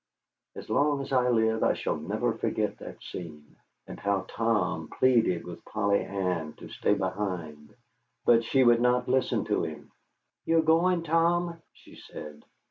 As long as I live I shall never forget that scene, and how Tom pleaded with Polly Ann to stay behind, but she would not listen to him. "You're going, Tom?" she said.